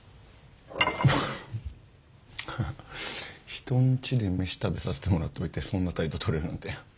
人んちで飯食べさせてもらっておいてそんな態度とれるなんて。